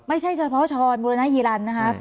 ไม่ใช่เฉพาะชรบุรณฮิลันนะครับ